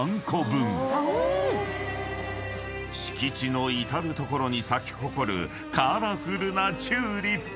［敷地の至る所に咲き誇るカラフルなチューリップ］